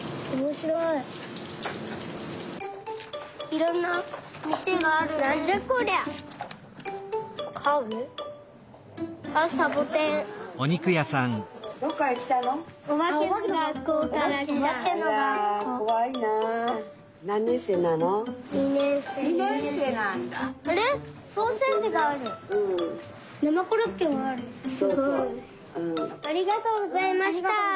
すごい！ありがとうございました！